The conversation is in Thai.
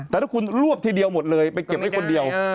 แต่ถ้าคุณรวบทีเดียวหมดเลยไปเก็บไว้คนเดียว